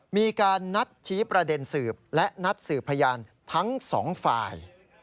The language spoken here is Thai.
มีการนัดชี้ประเด็นสืบและนัดสืบพยานทั้งสองฝ่าย